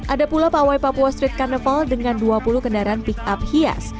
ada pula pawai papua street carnaval dengan dua puluh kendaraan pick up hias